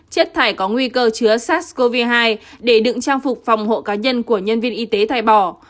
chất thải có nguy cơ chứa sars cov hai để đựng trang phục phòng hộ cá nhân của nhân viên y tế thải bỏ